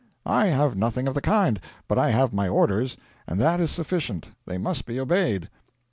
'I have nothing of the kind, but I have my orders, and that is sufficient. They must be obeyed.'